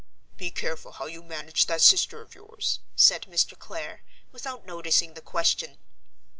"Be careful how you manage that sister of yours," said Mr. Clare, without noticing the question.